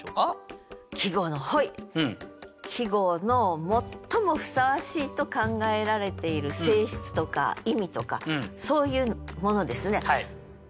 季語の最もふさわしいと考えられている性質とか意味とかそういうものですね。